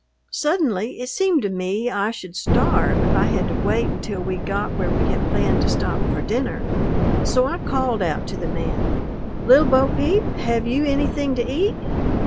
Suddenly it seemed to me I should starve if I had to wait until we got where we had planned to stop for dinner, so I called out to the man, "Little Bo Peep, have you anything to eat?